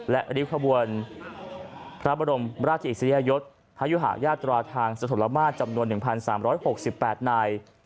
และริ้วขบวนพระบรมราชอิสริยยศพยุหายาตราทางสถลมาตรจำนวน๑๓๖๘นาย